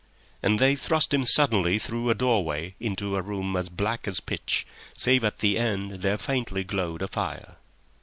And they thrust him suddenly through a doorway into a room as black as pitch, save at the end there faintly glowed a fire.